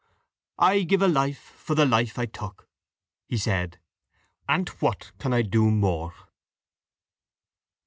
"I give a life for the life I took," he said, "and what can I do more?"